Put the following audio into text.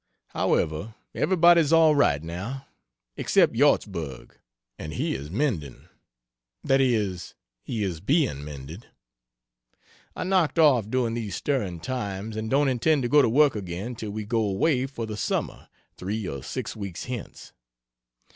However, everybody is all right, now, except Yortzburg, and he is mending that is, he is being mended. I knocked off, during these stirring times, and don't intend to go to work again till we go away for the Summer, 3 or 6 weeks hence.